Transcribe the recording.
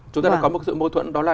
chúng ta có một sự mâu thuẫn đó là